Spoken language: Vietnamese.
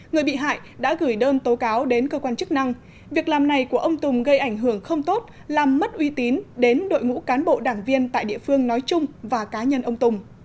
người bị hại đã gửi đơn tố cáo đến cơ quan chức năng việc làm này của ông tùng gây ảnh hưởng không tốt làm mất uy tín đến đội ngũ cán bộ đảng viên tại địa phương nói chung và cá nhân ông tùng